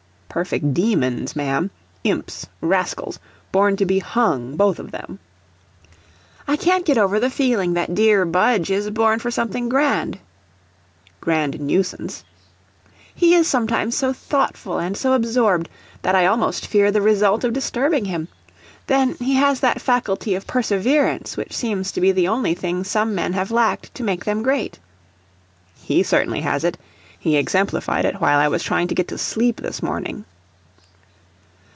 [Perfect demons, ma'am; imps, rascals, born to be hung both of them.] "I can't get over the feeling that dear Budge is born for something grand. [Grand nuisance.] He is sometimes so thoughtful and so absorbed, that I almost fear the result of disturbing him; then, he has that faculty of perseverance which seems to be the on|y thing some men have lacked to make them great. [He certainly has it; he exemplified it while I was trying to get to sleep this morning.